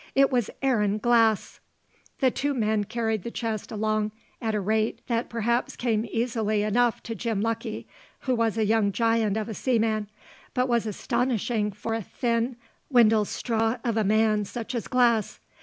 It was Aaron Glass. The two men carried the chest along at a rate that perhaps came easily enough to Jim Lucky, who was a young giant of a seaman, but was astonishing for a thin, windlestraw of a man such as Glass.